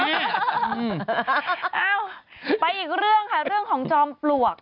เอ้าไปอีกเรื่องค่ะเรื่องของจอมปลวก